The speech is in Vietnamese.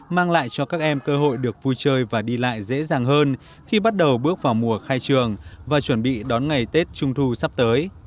mang lại cho các em cơ hội được vui chơi và đi lại dễ dàng hơn khi bắt đầu bước vào mùa khai trường và chuẩn bị đón ngày tết trung thu sắp tới